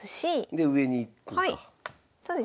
で上に行くんか。